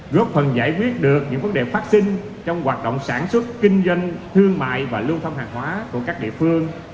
góp phần giải quyết được những vấn đề phát sinh trong hoạt động sản xuất kinh doanh thương mại và lưu thông hàng hóa của các địa phương